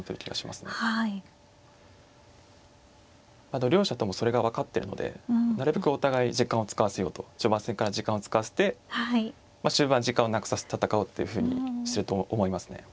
あと両者ともそれが分かってるのでなるべくお互い時間を使わせようと序盤戦から時間を使わせて終盤時間をなくさせて戦おうっていうふうにしてると思いますね。